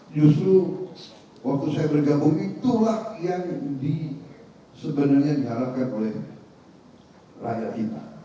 justru waktu saya bergabung itulah yang sebenarnya diharapkan oleh rakyat kita